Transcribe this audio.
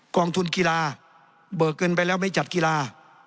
กองทุนกีฬาเบิกเงินไปแล้วไม่จัดกีฬา